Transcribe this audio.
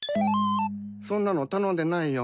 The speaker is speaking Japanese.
そんなの頼んでないよ。